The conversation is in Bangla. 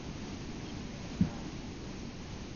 সেটা অবশ্য আমার দেখার নয়।